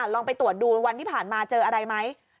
ลองไปตรวจดูวันที่ผ่านมาเจออะไรไหม